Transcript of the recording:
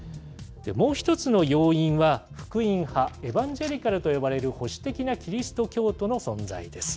もう一つの要因は、福音派・エバンジェリカルと呼ばれる保守的なキリスト教徒の存在です。